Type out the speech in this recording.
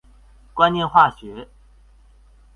觀念化學